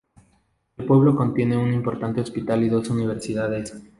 El pueblo contiene un importante hospital y dos universidades.